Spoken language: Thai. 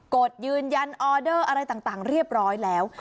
กดยืนยันออเดอร์อะไรต่างเรียบร้อยแล้ว